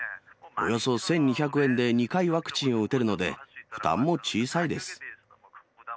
およそ１２００円で２回ワクチンを打てるので、負担も小さいです。